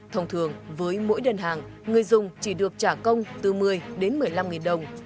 thông thường với mỗi đơn hàng người dùng chỉ được trả công từ một mươi đến một mươi năm nghìn đồng